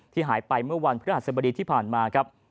ที่หายไปเมื่อวันเพื่ออาศัยบดีที่ผ่านมาครับ